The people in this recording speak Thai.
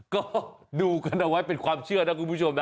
ก็ดูกันเอาไว้เป็นความเชื่อนะคุณผู้ชมนะ